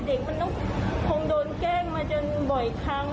เด็กมันต้องคงโดนแกล้งมาจนบ่อยครั้ง